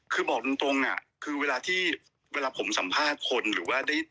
คือบอกตรงคือเวลาที่เวลาผมสัมภาษณ์คนหรือว่าได้